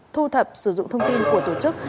thu thập sử dụng thông tin của tổ chức